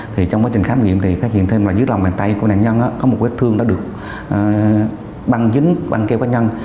thì trong quá trình khám nghiệm thì phát hiện thêm là dưới lòng bàn tay của nạn nhân có một vết thương đã được băng dính băng kêu bắt nhân